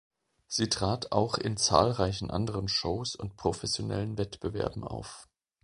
Sie trat auch in zahlreichen anderen Shows und professionellen Wettbewerben auf.